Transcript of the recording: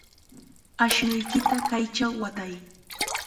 Ashnuykita kaychaw watay.